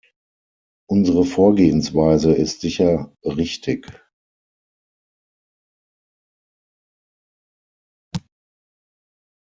Unsere Vorgehensweise ist sicher richtig.